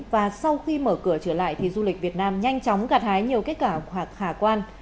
và sau khi mở cửa trở lại thì du lịch việt nam nhanh chóng gạt hái nhiều kết quả hoặc khả quan